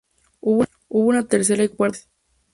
Hubo una tercera y cuarta partes.